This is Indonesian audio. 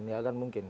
nggak akan mungkin